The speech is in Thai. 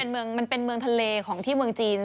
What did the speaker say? มันเป็นเมืองทะเลของที่เมืองจีน